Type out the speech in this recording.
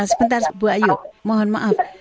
sebentar bu ayu mohon maaf